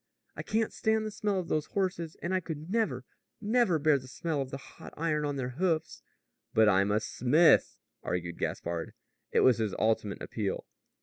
"I can't stand the smell of those horses, and I could never, never bear the smell of the hot iron on their hoofs." "But I'm a smith," argued Gaspard. It was his ultimate appeal.